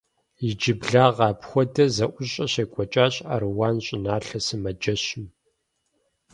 Иджыблагъэ апхуэдэ зэӀущӀэ щекӀуэкӀащ Аруан щӀыналъэ сымаджэщым.